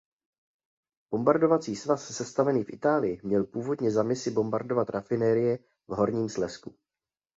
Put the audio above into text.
Bombardovací svaz sestavený v Itálii měl původně za misi bombardovat rafinerie v Horním Slezsku.